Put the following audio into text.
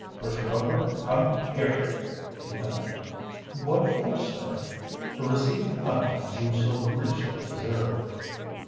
"Richard Rover, come up here," he thundered. "What for, sir?" "To receive the punishment you so richly deserve."